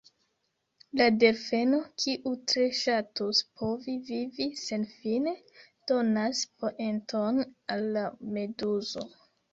La delfeno, kiu tre ŝatus povi vivi senfine, donas poenton al la meduzo.